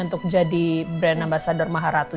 untuk jadi berenambasador maharatu